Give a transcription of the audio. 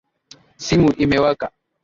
Simu imewaka.